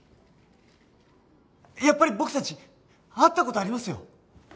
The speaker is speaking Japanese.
やっぱり僕たち会った事ありますよ。